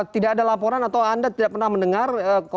tidak ada laporan atau anda tidak pernah mendengar